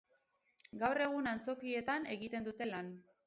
Gaur egun antzokietan egiten dute lan.